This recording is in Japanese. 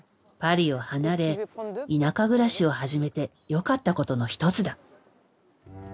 パリを離れ田舎暮らしを始めてよかったことの一つだ。